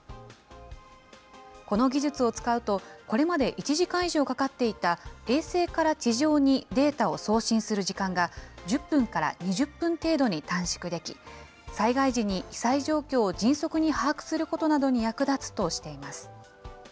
この技術を使うと、これまで１時間以上かかっていた衛星から地上にデータを送信する時間が、１０分から２０分程度に短縮でき、災害時に被災状況を迅速に把握することなどに役立つとしています。